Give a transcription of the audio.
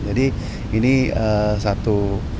jadi ini satu